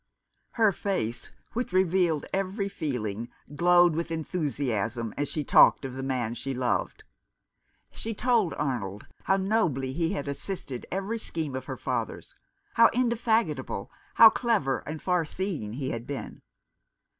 Her face, which revealed every feeling, glowed with enthusiasm as she talked of the man she loved. She told Arnold how nobly he had assisted every scheme of her father's ; how indefatigable, how clever, and far seeing he had been.